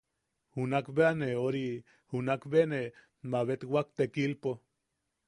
Junak bea ne ori... junak be ne mabetwak tekilpo.